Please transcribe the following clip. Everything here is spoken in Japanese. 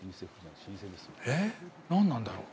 えっ、何なんだろう。